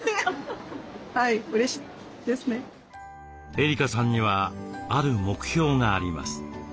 エリカさんにはある目標があります。